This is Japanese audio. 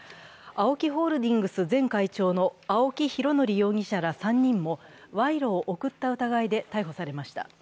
ＡＯＫＩホールディングス前会長の青木拡憲容疑者ら３人も賄賂を送った疑いで逮捕されました。